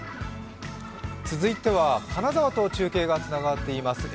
続いては金沢と中継がつながっています。